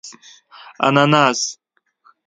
🍍 انناس